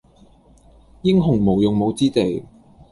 英雄無用武之地